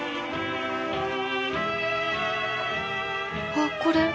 あっこれ。